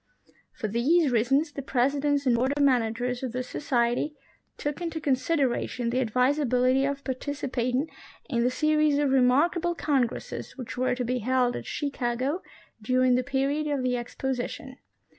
For these reasons the President and Board of Managers of this Society took into consideration the advisability of participat ing in the series of remarkable congresses which were to be held at Chicago during the period of the Exposition.